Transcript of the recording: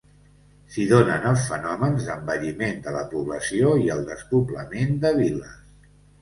S'hi donen els fenòmens d'envelliment de la població i el despoblament de viles.